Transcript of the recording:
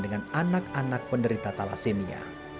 dengan anak anak penderita thalassemia